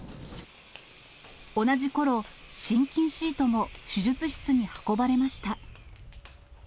同じころ、心筋シートも手術室に運ばれました。